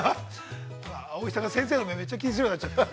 ◆葵さんが、先生の目をめっちゃ気にするようになっちゃった。